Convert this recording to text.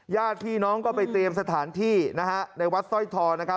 ญาติพี่น้องก็ไปเตรียมสถานที่ในวัดสร้อยทอ